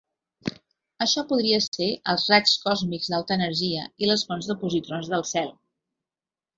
Això podria ser els raigs còsmics d'alta energia i les fonts de positrons del cel.